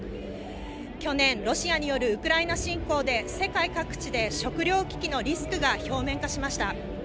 去年、ロシアによるウクライナ侵攻で世界各地で食料危機のリスクが表面化しました。